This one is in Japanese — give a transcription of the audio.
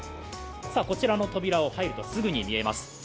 こちらの扉を入るとすぐに見えます。